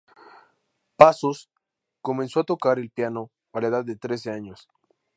Passos comenzó a tocar el piano a la edad de trece años.